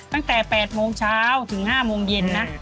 ตั้งแต่๘โมงเช้าถึง๕โมงเย็นนะ